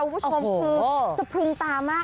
คุณผู้ชมคือสะพรึงตามาก